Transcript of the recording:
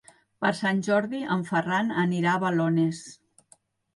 Per Sant Jordi en Ferran anirà a Balones.